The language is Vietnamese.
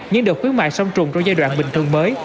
những đợt khuyến mại song trùng trong giai đoạn bình thường mới